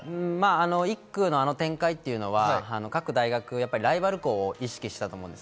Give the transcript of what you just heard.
１区のあの展開は各大学、ライバル校を意識したと思うんです。